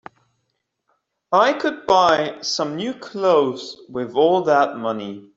I could buy some new clothes with all that money.